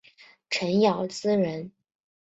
陈尧咨人。